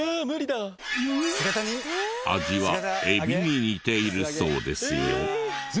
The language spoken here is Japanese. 味はエビに似ているそうですよ。